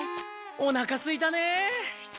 おなかすいたね。